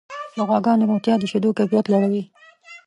د غواګانو روغتیا د شیدو کیفیت لوړوي.